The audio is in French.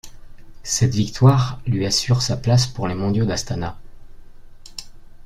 Cette victoire lui assure sa place pour les mondiaux d'Astana.